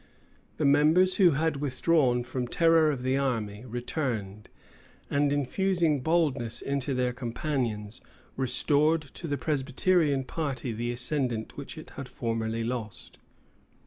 The members who had withdrawn from terror of the army, returned; and infusing boldness into their companions, restored to the Presbyterian party the ascendant which it had formerly lost.